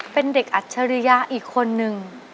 เป็นเด็กอัจฉริยะอีกคนนึง